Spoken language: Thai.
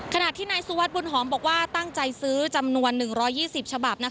ขณะที่นายสุวัสดิบุญหอมบอกว่าตั้งใจซื้อจำนวน๑๒๐ฉบับ